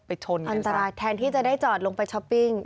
ชนอันตรายแทนที่จะได้จอดลงไปช้อปปิ้ง